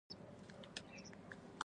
څنګه کولی شم انزیتي کمه کړم